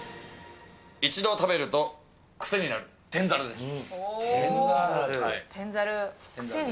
一度食べると癖になる、天ざるです。